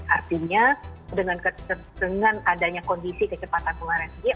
artinya dengan adanya kondisi kecepatan pengularan tinggi